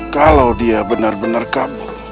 kalau dia benar benar kabur